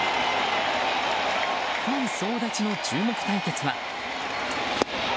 ファン総立ちの注目対決は。